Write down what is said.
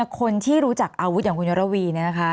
คนที่รู้จักอาวุธอย่างคุณยรวีเนี่ยนะคะ